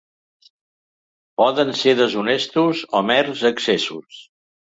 Poden ser deshonestos o mers excessos.